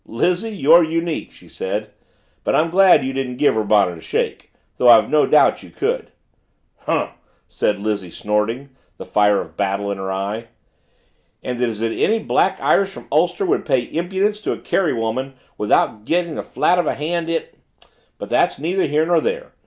"Lizzie you're unique," she said. "But I'm glad you didn't give her bonnet a shake though I've no doubt you could." "Humph!" said Lizzie snorting, the fire of battle in her eye. "And is it any Black Irish from Ulster would play impudence to a Kerrywoman without getting the flat of a hand in but that's neither here nor there.